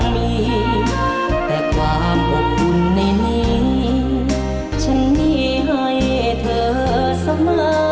มีแต่ความอดบุญในนี้ฉันมีให้เธอเสมอ